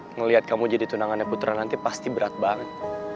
ngelihat kamu jadi tunangannya putra nanti pasti berat banget